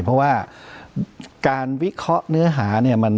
เพราะว่าการวิเคราะห์เนื้อหาเนี่ย